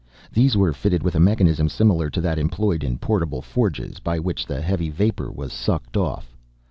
These were fitted with a mechanism similar to that employed in portable forges, by which the heavy vapor was sucked off.